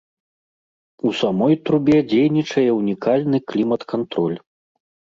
У самой трубе дзейнічае ўнікальны клімат-кантроль.